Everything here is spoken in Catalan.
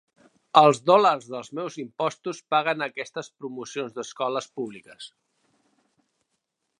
Els dòlars dels meus impostos paguen aquestes promocions d'escoles públiques.